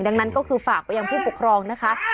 ดังนั้นก็คือฝากไปยังผู้ปกครองนะคะ